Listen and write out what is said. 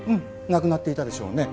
亡くなっていたでしょうね。